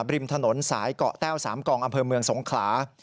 ริมถนนสายเกาะแต้ว๓กองอำเภอเมืองสงขลา